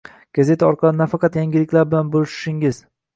Gazeta orqali nafaqat yangiliklar bilan bo‘lishishingiz